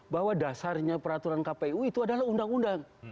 bahwa dasarnya peraturan kpu itu adalah undang undang